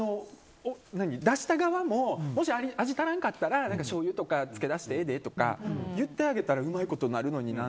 出した側も、もし味足らんかったらしょうゆとか付け足してええでって言ってあげたらうまいことになるのにな。